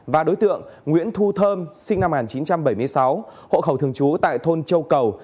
và đối tượng nguyễn thu thơm sinh năm một nghìn chín trăm bảy mươi sáu hộ khẩu thường trú tại thôn châu cầu